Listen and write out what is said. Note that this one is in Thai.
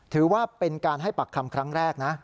ถือว่าเป็นการให้ปักคำครั้งแรกนะ